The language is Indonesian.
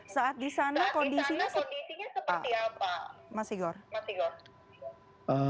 saat di sana kondisinya seperti apa